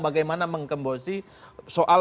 bagaimana menggembosi soal